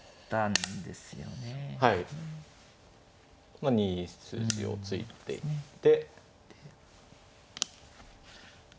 まあ２筋を突いていって。